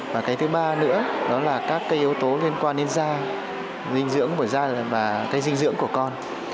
và cái thứ ba nữa là các yếu tố liên quan đến da dinh dưỡng của da và dinh dưỡng của con